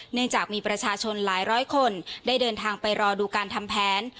เนื่องจากมีประชาชนหลายร้อยคนได้เดินทางไปรอดูการทำแผน